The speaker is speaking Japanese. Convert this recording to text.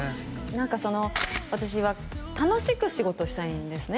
何かその私は楽しく仕事をしたいんですね